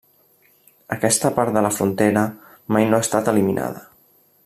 Aquesta part de la frontera mai no ha estat eliminada.